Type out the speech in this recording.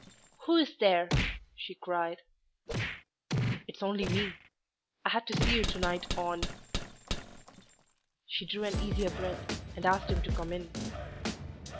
"Who is there?" she cried. "It's only me. I had to see you to night on " She drew an easier breath, and asked him to come in.